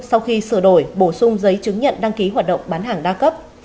sau khi sửa đổi bổ sung giấy chứng nhận đăng ký hoạt động bán hàng đa cấp